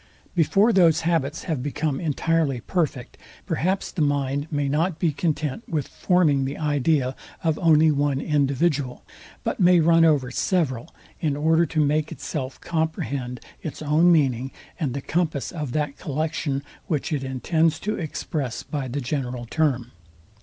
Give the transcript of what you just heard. Before those habits have become entirely perfect, perhaps the mind may not be content with forming the idea of only one individual, but may run over several, in order to make itself comprehend its own meaning, and the compass of that collection, which it intends to express by the general term.